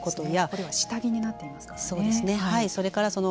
これは下着になっていますからね。